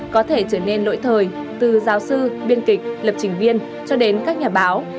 có thể trở nên lỗi thời từ giáo sư biên kịch lập trình viên cho đến các nhà báo